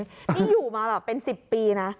นี่อยู่มาแบบเป็น๑๐ปีนะ